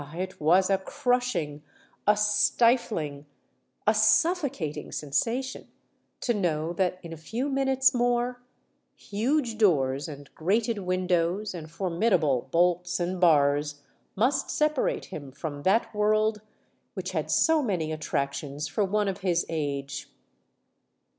it was a crushing—a stifling—a suffocating sensation to know that in a few minutes more huge doors, and grated windows, and formidable bolts and bars must separate him from that world which had so many attractions for one of his age!